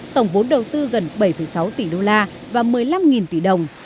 tổng vốn đầu tư gần bảy sáu tỷ đô la và một mươi năm tỷ đồng